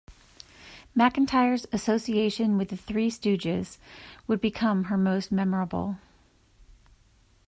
McIntyre's association with the Three Stooges would become her most memorable.